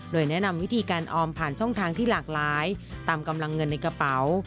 โดยแนะนำวิธีการออมผ่านช่องทางที่หลากหลายตามกำลังเงินในกระเป๋า